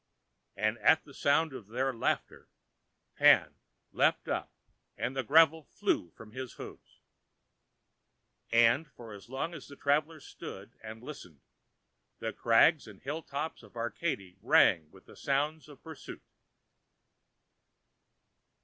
And at the sound of their laughter Pan leaped up and the gravel flew from his hooves. And, for as long as the travellers stood and listened, the crags and the hill tops of Arcady rang with the sounds of pursuit.